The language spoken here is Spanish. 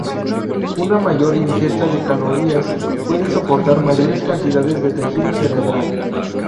Una mayor ingesta de calorías puede soportar mayores cantidades de tejido cerebral.